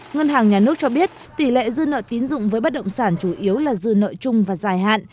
ngân hàng nhà nước cho biết tỷ lệ dư nợ tín dụng với bất động sản chủ yếu là dư nợ chung và dài hạn